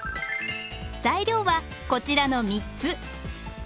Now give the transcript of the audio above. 材料はこちらの３つ。